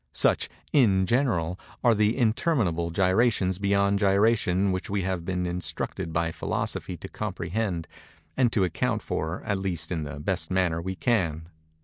Such, in general, are the interminable gyrations beyond gyration which we have been instructed by Philosophy to comprehend and to account for, at least in the best manner we can.